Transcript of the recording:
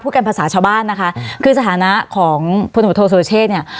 เกี่ยวกับภาษาชาวบ้านนะคะคือสถานะของพลธโทสูเชต์เนี่ย